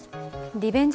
リベンジ